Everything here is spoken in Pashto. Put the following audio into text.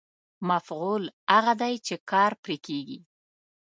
مفعول هغه دی چې کار پرې کېږي.